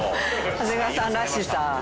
長谷川さんらしさ。